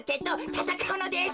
たたかうのです。